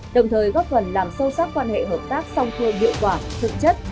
đồng thời góp phần làm sâu sắc quan hệ hợp tác song phương hiệu quả thực chất